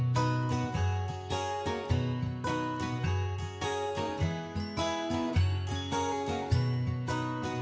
kondisi gizi buruk di antaranya